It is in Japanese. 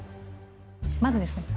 まずですね